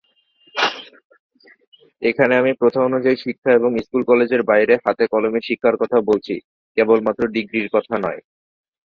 আবার পরিবারের অল্প কয়েকজন নির্দিষ্ট সদস্য ছাড়া অন্য কেউ ওই ঘরে প্রবেশ করতে পারে না।